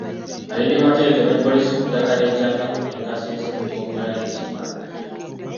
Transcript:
Alidde matereke ne poliisi ku ttaka ly’e Kyakago ne Kasese mu ggombolola y’e Kibanda